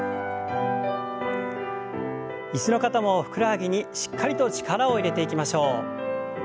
椅子の方もふくらはぎにしっかりと力を入れていきましょう。